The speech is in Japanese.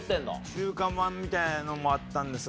中華まんみたいなのもあったんですが。